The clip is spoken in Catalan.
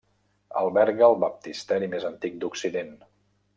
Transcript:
Alberga el baptisteri més antic d'Occident.